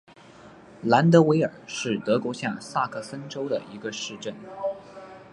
兰德韦尔是德国下萨克森州的一个市镇。